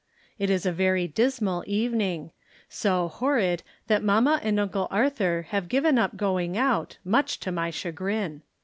It is a very dismal evening; so horrid that mamma and Uncle Arthur have given up going out, much to my chagrin.